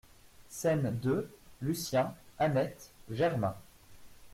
SCÈNE deux LUCIEN, ANNETTE, GERMAIN.